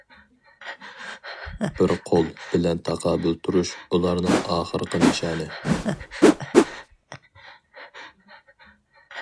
بىر« قول» بىلەن تاقابىل تۇرۇش ئۇلارنىڭ ئاخىرقى نىشانى.